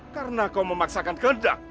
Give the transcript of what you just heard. karena kau memaksakan kendak